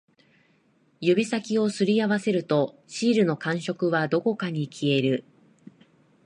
指先を擦り合わせると、シールの感触はどこかに消える